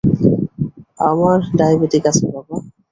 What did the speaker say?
আমার ডায়বেটিক আছে বাবা।